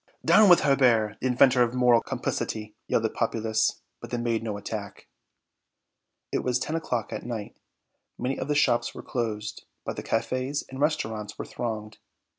"Down with Hebert, the inventor of moral complicity!" yelled the populace, but they made no attack. It was ten o'clock at night. Many of the shops were closed, but the cafés and restaurants were thronged.